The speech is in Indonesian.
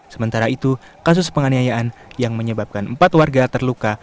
sementara itu kasus penganiayaan yang menyebabkan empat warga terluka